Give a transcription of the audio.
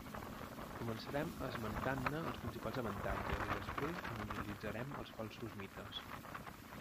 Començarem esmentant-ne els principals avantatges i després n'analitzarem els falsos mites.